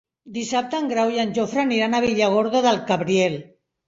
Dissabte en Grau i en Jofre aniran a Villargordo del Cabriel.